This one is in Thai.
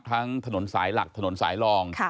ถนนสายหลักถนนสายรอง